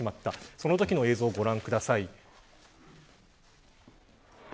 そのときの映像をご覧ください。